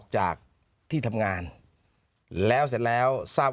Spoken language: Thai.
ใช่ครับ